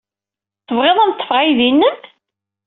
Tebɣiḍ ad am-ḍḍfeɣ aydi-nnem?